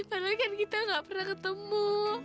karena kan kita gak pernah ketemu